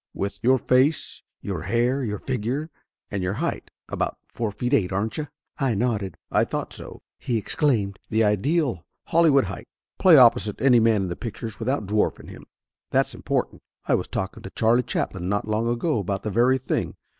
"With your face, your hair your figure, and your height About four feet eight, aren't you?" I nodded. "I thought so!" he exclaimed. "The ideal Holly wood height! Play opposite any man in the pictures without dwarfing him. That's important. I was talk ing to Charlie Chaplin not long ago about that very thing.